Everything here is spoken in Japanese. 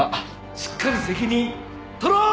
しっかり責任取ろう！